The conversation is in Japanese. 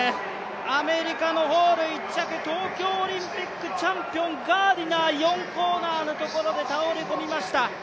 アメリカのホール１着、東京オリンピックチャンピオンガーディナー、４コーナーのところで倒れ込みました。